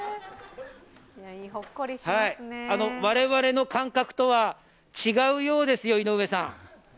我々の感覚とは違うようですよ、井上さん。